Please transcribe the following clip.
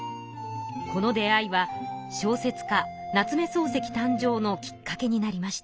この出会いは小説家夏目漱石誕生のきっかけになりました。